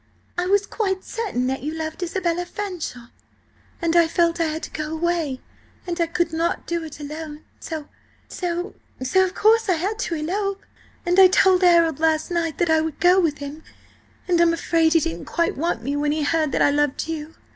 "I was quite certain that you loved Isabella Fanshawe. I felt I had to go away, and I could not do it alone–so–so–so, of course I had to elope. And I told Harold last night that I would go with him–and I'm afraid he didn't quite want me when he heard that I loved you.